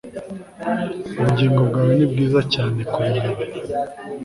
Ubugingo bwawe ni bwiza cyane kubimenya